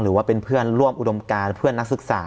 หรือว่าเป็นเพื่อนร่วมอุดมการเพื่อนนักศึกษา